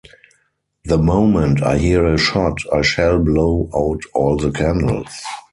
The moment I hear a shot, I shall blow out all the candles.